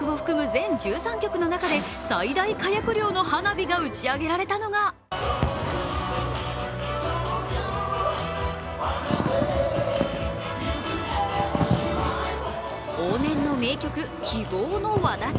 全１３曲の中で最大火薬量の花火が打ち上げられたのが往年の名曲「希望の轍」。